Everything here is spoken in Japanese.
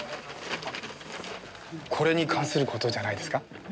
これに関する事じゃないですか？